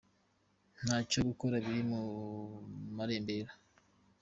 Ntacyo gukora biri mu marembera.